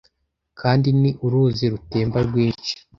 kandi ni uruzi rutemba rwinshi